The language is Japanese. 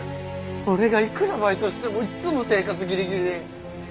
俺がいくらバイトしてもいつも生活ギリギリで。